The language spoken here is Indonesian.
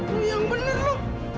lu yang bener lu